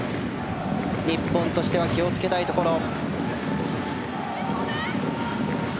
日本としては気を付けたいところ。